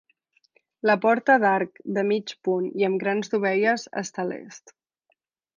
La porta d'arc de mig punt i amb grans dovelles, està a l'est.